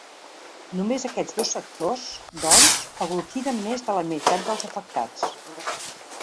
Només aquests dos sectors, doncs, aglutinen més de la meitat dels afectats.